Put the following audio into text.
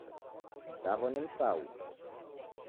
Mzaw'o ni Msau